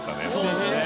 そうですね